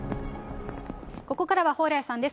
ここからは蓬莱さんです。